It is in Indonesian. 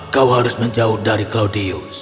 kau harus menjauh dari claudius